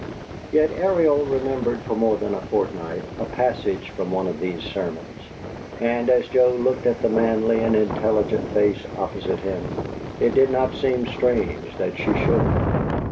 Yet Ariel remembered for more than a fortnight a passage from one of these sermons. And as Joe looked at the manly and intelligent face opposite him, it did not seem strange that she should.